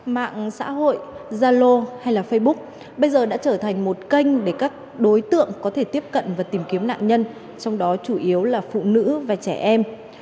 mạng xã hội zalo hay facebook bây giờ đã trở thành một kênh để các đối tượng có thể tiếp cận và tìm kiếm nạn nhân trong đó chủ yếu là phụ nữ và trẻ em